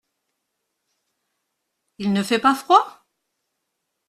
Il ne fait pas froid ?